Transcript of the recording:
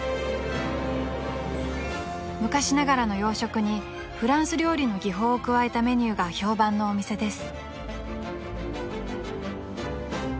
［昔ながらの洋食にフランス料理の技法を加えたメニューが評判のお店です］